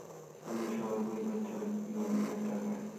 আমাদের সবার পরিবার চলে প্রিমিয়ার লিগের টাকায়।